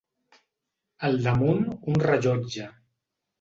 Al damunt un rellotge.